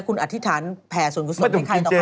คุณอธิษฐานแผ่ส่วนคุณส่วนใครต่อใครได้เลย